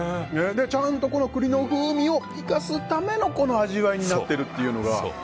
ちゃんと栗の風味を生かすためのこの味わいになっているというのが。